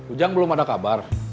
ujang belum ada kabar